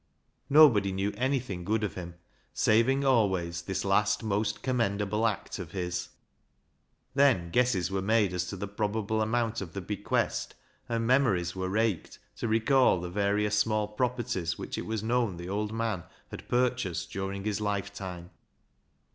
Nobody knew anything good of him, saving always this last most commendable act of his. Then guesses were made as to the probable amount of the bequest, and memories were raked to recall the various small properties which it was known the old man had purchased during his lifetime.